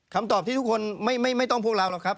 คำตอบที่ทุกคนไม่ต้องพวกเราหรอกครับ